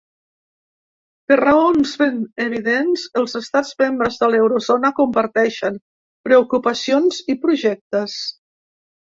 Per raons ben evidents, els estats membres de l’eurozona comparteixen preocupacions i projectes.